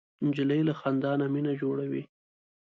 نجلۍ له خندا نه مینه جوړوي.